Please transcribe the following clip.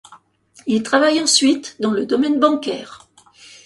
Il travaille ensuite dans le domaine bancaire.